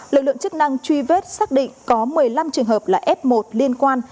lực lượng chức năng truy vết xác định có một mươi năm trường hợp là f một liên quan